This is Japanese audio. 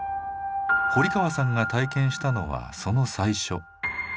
堀川さんが体験したのはその最初。